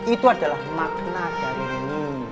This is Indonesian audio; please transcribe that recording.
itu adalah makna dari